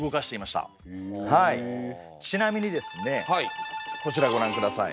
ちなみにですねこちらご覧ください。